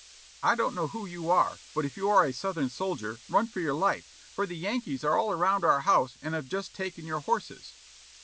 "I don't know who you are, but if you are a Southern soldier, run for your life, for the Yankees are all around our house and have just taken your horses.